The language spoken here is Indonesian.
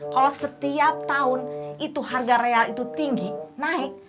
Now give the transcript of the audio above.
kalau setiap tahun itu harga real itu tinggi naik